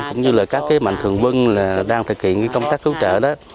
cũng như là các mạnh thường vân đang thực hiện công tác cứu trợ